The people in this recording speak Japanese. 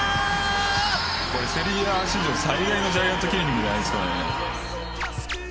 これセリエＡ史上最大のジャイアントキリングじゃないですかね。